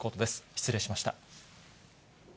失礼しました。